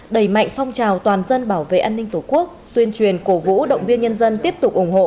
đẩy mạnh phong trào toàn dân bảo vệ an ninh tổ quốc tuyên truyền cổ vũ động viên nhân dân tiếp tục ủng hộ